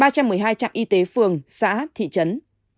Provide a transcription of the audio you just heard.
ba trăm một mươi hai trạm y tế phường xã thị trấn